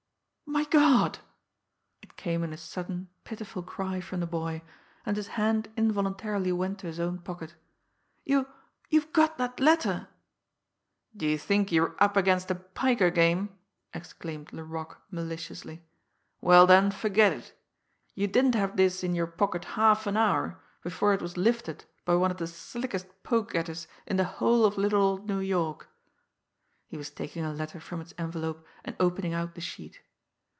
"My God!" It came in a sudden, pitiful cry from the boy, and his hand involuntarily went to his own pocket. "You you've got that letter!" "Do you think you're up against a piker game!" exclaimed Laroque maliciously. "Well then, forget it! You didn't have this in your pocket half an hour before it was lifted by one of the slickest poke getters in the whole of little old New York." He was taking a letter from its envelope and opening out the sheet.